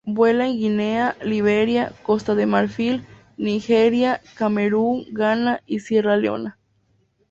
Vuela en Guinea, Liberia, Costa de Marfil, Nigeria, Camerún, Ghana y Sierra Leona.